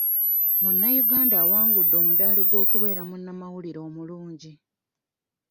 Munnayuganda awangudde omudaali gw'okubeera munnamawulire omulungi.